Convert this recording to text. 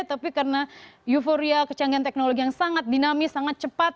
tapi karena euforia kecanggihan teknologi yang sangat dinamis sangat cepat